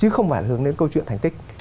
không phải là hướng đến câu chuyện thành tích